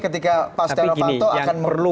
ketika pak stelofanto akan perlu